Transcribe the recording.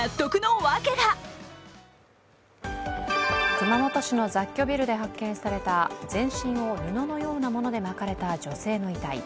熊本市の雑居ビルで発見された全身を布のようなもので巻かれた女性の遺体。